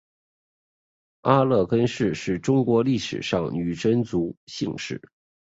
阿勒根氏是中国历史上女真族姓氏。